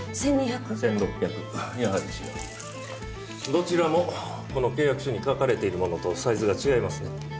どちらもこの契約書に書かれているものとサイズが違いますね。